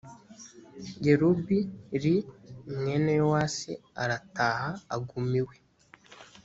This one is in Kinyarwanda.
yerub li mwene yowasi arataha aguma iwe